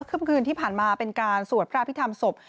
คืนที่ผ่านมาเป็นการสวดพระอภิษฐรรมศพ